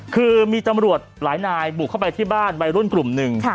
คือมีตำรวจหลายนายบุกเข้าไปที่บ้านวัยรุ่นกลุ่มหนึ่ง